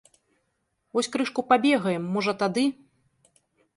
Вось крышку пабегаем, можа, тады.